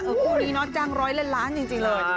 คู่นี้เนาะจังร้อยแลนด์ล้านจริงเลย